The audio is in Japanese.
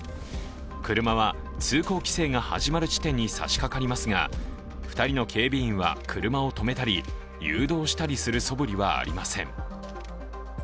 車は通行規制が始まる地点に差しかかりますが２人の警備員は車を止めたり誘導したりするそぶりはありません。